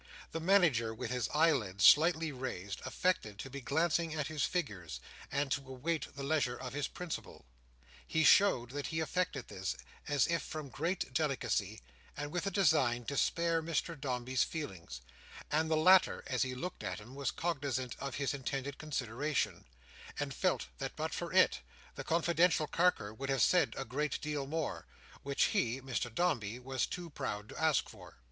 The Manager, with his eyelids slightly raised, affected to be glancing at his figures, and to await the leisure of his principal. He showed that he affected this, as if from great delicacy, and with a design to spare Mr Dombey's feelings; and the latter, as he looked at him, was cognizant of his intended consideration, and felt that but for it, this confidential Carker would have said a great deal more, which he, Mr Dombey, was too proud to ask for.